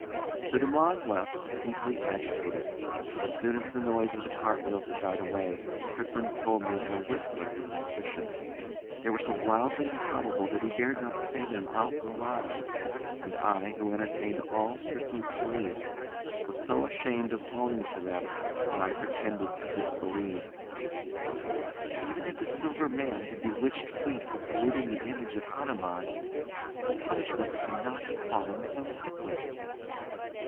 So Dumoise left, deeply agitated; and as soon as the noise of the cart wheels had died away, Strickland told me, in a whisper, his suspicions. They were so wildly improbable that he dared not say them out aloud; and I, who entertained all Strickland's beliefs, was so ashamed of owning to them that I pretended to disbelieve. 'Even if the Silver Man had bewtiched Fleete for polluting the image of Hanuman, the punishment could not have fallen so quickly.